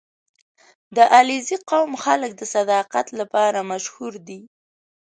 • د علیزي قوم خلک د صداقت لپاره مشهور دي.